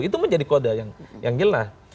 itu menjadi kode yang jelas